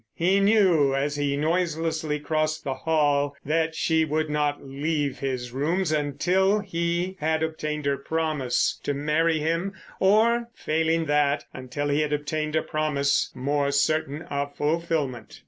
He knew, as he noiselessly crossed the hall, that she would not leave his rooms until he had obtained her promise to marry him, or, failing that, until he had obtained a promise more certain of fulfilment.